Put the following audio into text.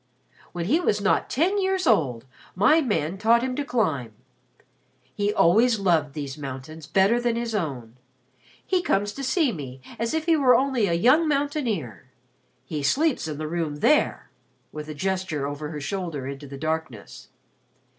When he was not ten years old, my man taught him to climb. He always loved these mountains better than his own. He comes to see me as if he were only a young mountaineer. He sleeps in the room there," with a gesture over her shoulder into the darkness.